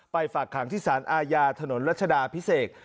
ฝากขังที่สารอาญาถนนรัชดาพิเศษ